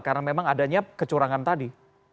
karena memang adanya kecurangan tadi